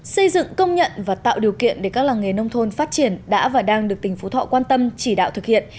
xây dựng công nhận và tạo điều kiện để các làng nghề nông thôn phát triển đã và đang được tỉnh phú thọ quan tâm chỉ đạo thực hiện